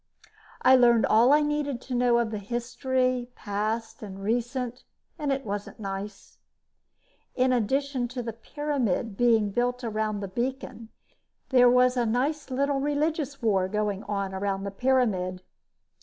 I learned all I needed to know of the history, past and recent, and it wasn't nice. In addition to the pyramid being around the beacon, there was a nice little religious war going on around the pyramid.